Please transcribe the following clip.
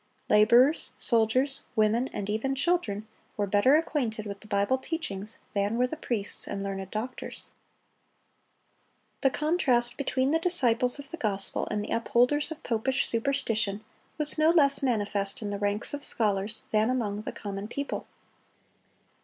Laborers, soldiers, women, and even children, were better acquainted with the Bible teachings than were the priests and learned doctors. The contrast between the disciples of the gospel and the upholders of popish superstition was no less manifest in the ranks of scholars than among the common people.